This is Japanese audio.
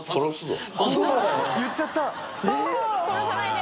殺さないで！